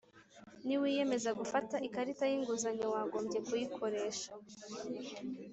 Niwiyemeza gufata ikarita y’inguzanyo wagombye kuyikoresha